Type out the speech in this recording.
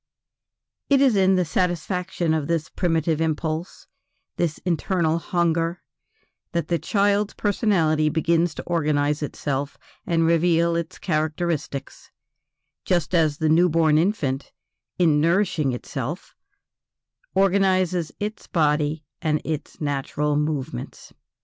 It is in the satisfaction of this primitive impulse, this internal hunger, that the child's personality begins to organize itself and reveal its characteristics; just as the new born infant, in nourishing itself, organizes its body and its natural movements.